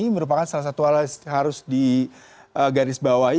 merupakan salah satu hal yang harus digarisbawahi